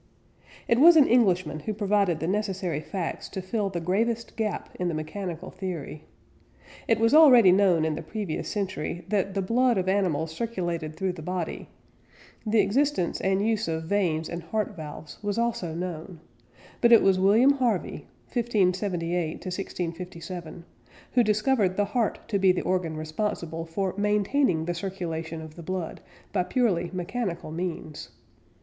It was an Englishman who provided the necessary facts to fill the gravest gap in the mechanical theory. It was already known in the previous century that the blood of animals circulated throughout the body; the existence and use of veins and heart valves was also known, but it was William Harvey (1578 1657) who discovered the heart to be the organ responsible for maintaining the circulation of the blood, by purely mechanical means.